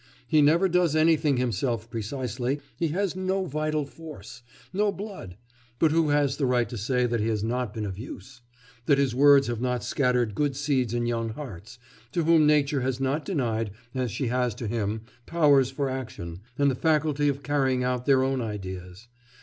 He never does anything himself precisely, he has no vital force, no blood; but who has the right to say that he has not been of use? that his words have not scattered good seeds in young hearts, to whom nature has not denied, as she has to him, powers for action, and the faculty of carrying out their own ideas?